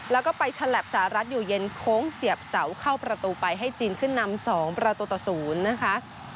แล้วก็ไปฉลับสหรัฐอยู่เย็นโค้งเสียบเสาเข้าประตูไปให้จีนขึ้นนำ๒ประตูต่อ๐นะคะ